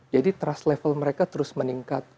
jadi trust level mereka terus meningkat